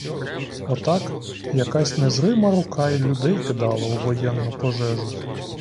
Отак якась незрима рука й людей кидала у воєнну пожежу.